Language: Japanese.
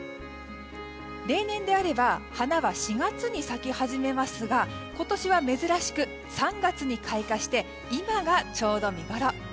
例年であれば花は４月に咲き始めますが今年は珍しく３月に開花して今がちょうど見ごろ。